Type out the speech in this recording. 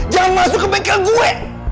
jangan masuk ke bengkel gue